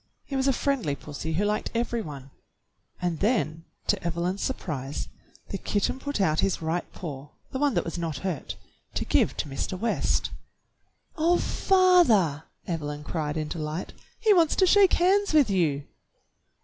He was a friendly pussy who liked every one. And then to Evelyn's surprise the kitten put out his right paw, the one that was not hurt, to give to Mr. West. "Oh, father!" Evelyn cried in delight, "he wants to shake hands with you